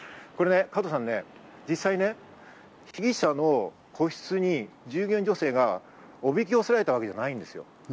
加藤さん、実際ね、被疑者の個室に従業員女性がおびき寄せられたわけじゃないんですよ。